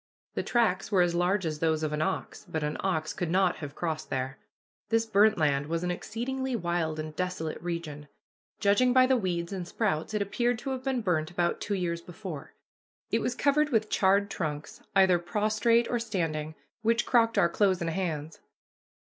The tracks were as large as those of an ox, but an ox could not have crossed there. This burnt land was an exceedingly wild and desolate region. Judging by the weeds and sprouts, it appeared to have been burnt about two years before. It was covered with charred trunks, either prostrate or standing, which crocked our clothes and hands.